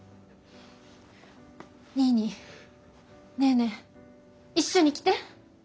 ニーニーネーネー一緒に来て。